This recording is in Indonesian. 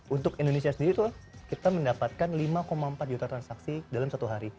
untuk indonesia sendiri tuh kita mendapatkan lima empat juta transaksi dalam satu hari